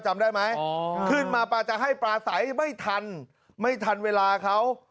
จำได้ไหมขึ้นมาประชาให้ปลาสัยไม่ทันเวลาเขา